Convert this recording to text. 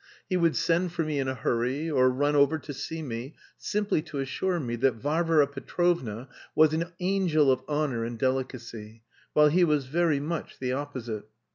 He would send for me in a hurry or run over to see me simply to assure me that Varvara Petrovna was "an angel of honour and delicacy, while he was very much the opposite."